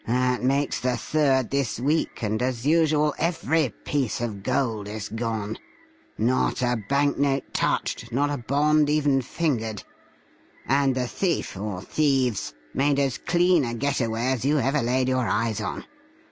That makes the third this week, and as usual every piece of gold is gone. Not a bank note touched, not a bond even fingered. And the thief or thieves made as clean a get away as you ever laid your eyes on!